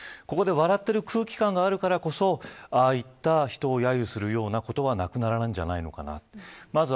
ここで笑っている空気感があるからこそああいった、人をやゆすることがなくならないんじゃないかなと。